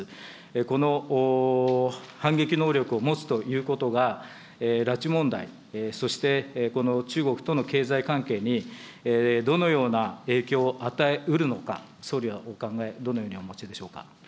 この反撃能力を持つということが、拉致問題、そしてこの中国との経済関係にどのような影響を与えうるのか、総理はお考え、どのようにお持ちでしょうか。